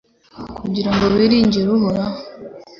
Kugira ngo wiringire Uhoraho